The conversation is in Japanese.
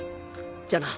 じゃあな！